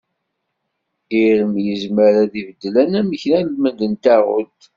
Irem yezmer ad ibeddel anamek almend n taɣult.